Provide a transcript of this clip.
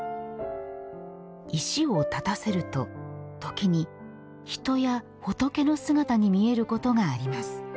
石を立たせると時に、人や仏の姿に見えることがあります。